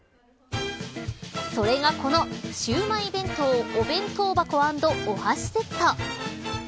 それがこのシウマイ弁当お弁当箱＆お箸セット。